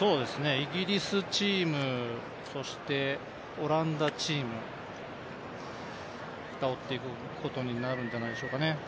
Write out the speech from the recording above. イギリスチーム、そしてオランダチームが追っていくことになるんじゃないでしょうかね。